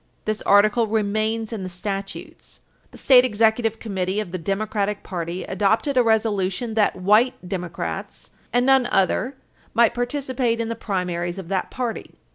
This article remains in the statutes. The State Executive Committee of the Democratic party adopted a resolution that white Democrats and none other might participate in the primaries of that party.